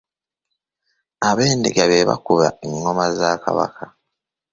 Abendiga be bakuba engoma za Kabaka.